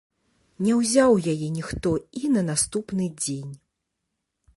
Не ўзяў яе ніхто і на наступны дзень.